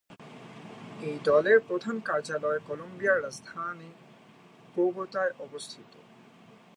এই দলের প্রধান কার্যালয় কলম্বিয়ার রাজধানী বোগোতায় অবস্থিত।